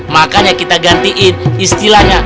makanya kita gantiin istilahnya